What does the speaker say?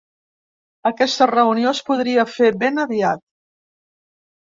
Aquesta reunió es podria fer ben aviat.